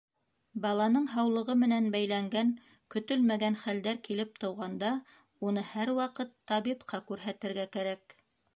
Баланың һаулығы менән бәйләнгән көтөлмәгән хәлдәр килеп тыуғанда, уны һәр ваҡыт табипҡа күрһәтергә кәрәк.